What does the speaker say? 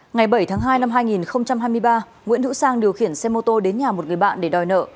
ngày bảy tháng hai năm hai nghìn hai mươi ba nguyễn hữu sang điều khiển xe mô tô đến nhà một người bạn để đòi nợ